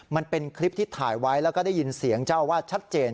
มันเป็นคลิปที่ถ่ายไว้แล้วก็ได้ยินเสียงเจ้าอาวาสชัดเจน